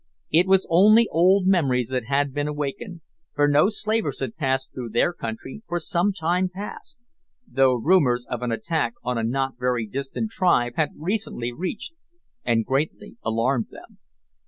It was only old memories that had been awakened, for no slavers had passed through their country for some time past, though rumours of an attack on a not very distant tribe had recently reached and greatly alarmed them.